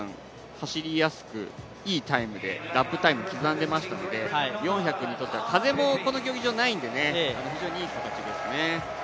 走りやすくいいタイムでラップタイム刻んでましたので４００にとっては風もこの競技場、ないので非常にいい形ですね。